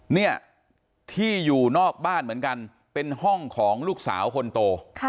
เนี่ยที่อยู่นอกบ้านเหมือนกันเป็นห้องของลูกสาวคนโต